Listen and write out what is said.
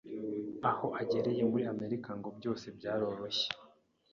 Aho agereye muri Amerika ngo byose byaroroshye